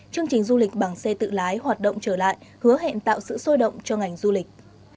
chương trình du lịch bằng xe tự lái hoạt động trở lại hứa hẹn tạo sự sôi động cho ngành du lịch